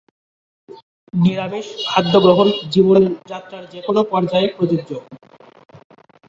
নিরামিষ খাদ্য গ্রহণ জীবন যাত্রার যেকোনো পর্যায়ে প্রযোজ্য।